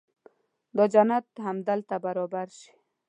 دا جنت همدلته برابر شي.